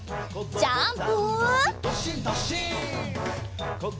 ジャンプ！